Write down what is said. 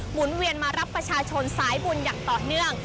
เวียนมารับประชาชนสายบุญอย่างต่อเนื่อง